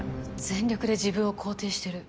全力で自分を肯定してる。